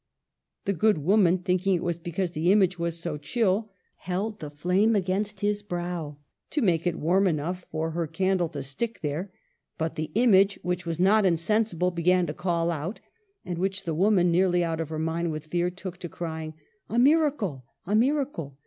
The good woman, thinking it was because the image was so chill, held the flame against his brow to make it warm enough for her 238 MARGARET OF ANGOUL^ME. candle to stick there ; but the image, which was not insensible, began to call out; at which the woman, nearly out of her mind with fear, took to crying, " A miracle ! a miracle